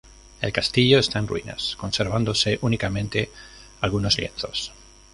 El castillo está en ruinas, conservándose únicamente algunos lienzos.